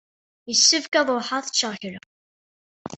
Yessefk ad ṛuḥeɣ ad d-ččeɣ kra.